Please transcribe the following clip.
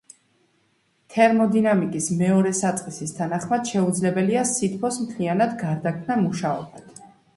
თერმოდინამიკის მეორე საწყისის თანახმად, შეუძლებელია სითბოს მთლიანად გარდაქმნა მუშაობად.